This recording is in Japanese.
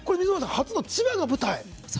初の千葉が舞台。